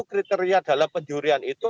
kriteria dalam penjurian itu